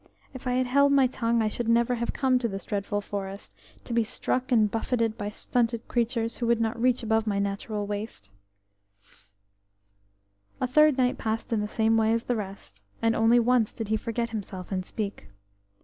If I had held my tongue I should never have come to this dreadful forest, to be struck and buffeted by stunted creatures who would not reach above my natural waist." THIRD night passed in the same way as the rest, and only once did he forget himself and speak.